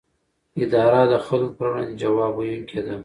اداره د خلکو پر وړاندې ځواب ویونکې ده.